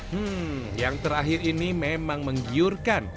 hmm yang terakhir ini memang menggiurkan